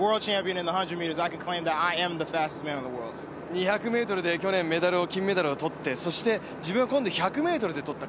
２００ｍで去年金メダルを取って、そして自分は今度１００ｍで取った。